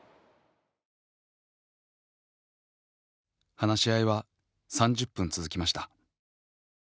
話し合いは３０分続きました。